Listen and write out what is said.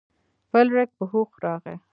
فلیریک په هوښ راغی.